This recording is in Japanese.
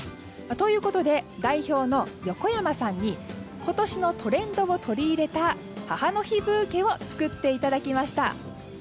ということで代表の横山さんに今年のトレンドを取り入れた母の日ブーケを作っていただきました。